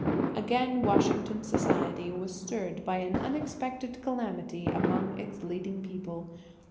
Again Washington society was stirred by an unexpected calamity among its leading people.